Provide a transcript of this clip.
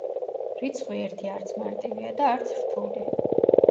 რიცხვი ერთი არც მარტივია და არც რთული.